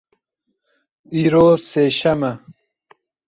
Îro sêşem e.